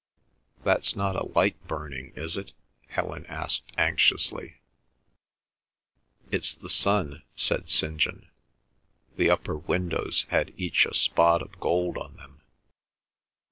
"That's not a light burning, is it?" Helen asked anxiously. "It's the sun," said St. John. The upper windows had each a spot of gold on them.